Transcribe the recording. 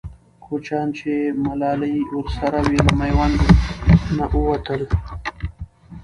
کوچیان چې ملالۍ ورسره وه، له میوند نه ووتل.